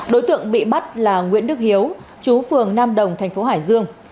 đối tượng bị bắt là nguyễn đức hiếu chú phường nam đồng thành phố hải dương